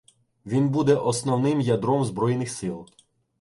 Він буде основним ядром збройних сил.